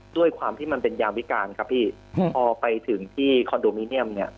ด้วยความที่มันเป็นยามวิการครับพี่พอไปถึงที่คอนโดมิเนียมเนี่ย